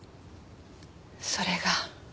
それが。